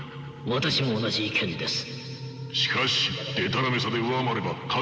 私も同じ意見です。